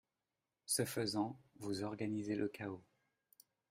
Ce faisant, vous organisez le chaos